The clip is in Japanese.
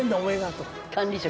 管理職？